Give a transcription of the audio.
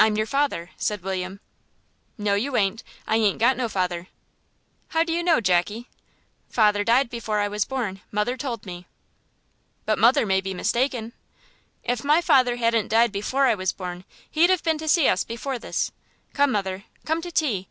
"I'm your father," said William. "No, you ain't. I ain't got no father." "How do you know, Jackie?" "Father died before I was born; mother told me." "But mother may be mistaken." "If my father hadn't died before I was born he'd 've been to see us before this. Come, mother, come to tea.